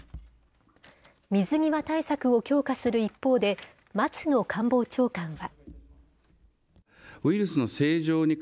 水際対策を強化する一方で、松野官房長官は。